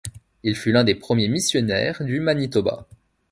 Il fut l'un des premiers missionnaires du Manitoba.